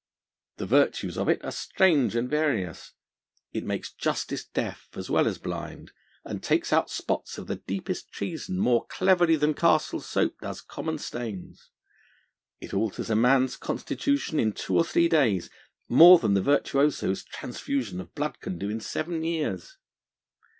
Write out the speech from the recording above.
The virtues of it are strange and various; it makes justice deaf as well as blind, and takes out spots of the deepest treason more cleverly than castle soap does common stains; it alters a man's constitution in two or three days, more than the virtuoso's transfusion of blood can do in seven years.